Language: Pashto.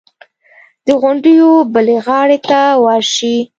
د غونډیو بلې غاړې ته ورشي.